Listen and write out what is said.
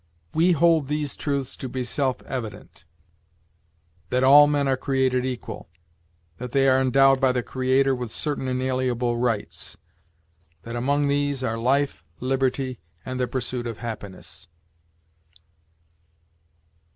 "We hold these truths to be self evident: that all men are created equal; that they are endowed by their Creator with certain inalienable rights; that among these are life, liberty, and the pursuit of happiness."